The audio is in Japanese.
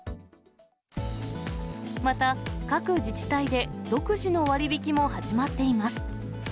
また、各自治体で独自の割引も始まっています。